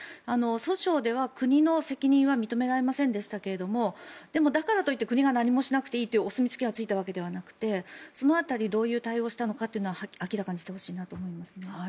訴訟では国の責任は認められませんでしたけれどでも、だからといって国が何もしなくていいというお墨付きがついたわけではなくてその辺りどういう対応をしたのかは明らかにしてほしいなと思いますね。